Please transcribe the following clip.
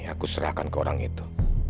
aku serahkan ke orang itu